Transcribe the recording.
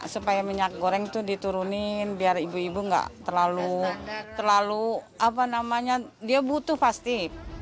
supaya minyak goreng itu diturunin biar ibu ibu nggak terlalu apa namanya dia butuh pasti